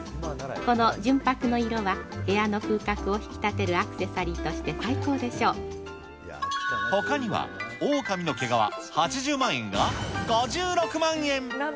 この純白の色は部屋の風格を引き立てるアクセサリーとして最高でほかには、オオカミの毛皮８０万円が５６万円。